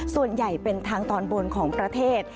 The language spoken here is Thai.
ส่วนใหญ่เป็นทางตอนบนของประเทศ